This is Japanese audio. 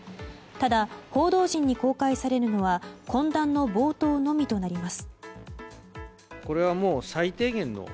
ただ、報道陣に公開されるのは懇談の冒頭のみとなります。